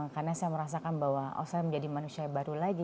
karena saya merasakan bahwa oh saya menjadi manusia baru lagi